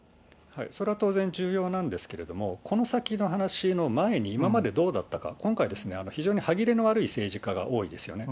それは当然重要なんですけれども、この先の話の前に、今までどうだったか、今回、非常に歯切れの悪い政治家が多いですよね。